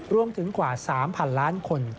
รวมถึงกว่า๓พันล้านคน